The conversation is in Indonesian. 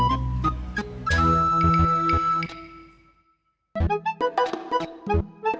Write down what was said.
oh baik deh debi sayang sama papa